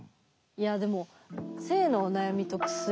いやでも性のお悩みと薬。